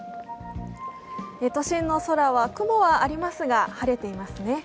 都心の空は雲はありますが晴れていますね。